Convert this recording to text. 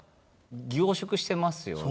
凝縮してますよね。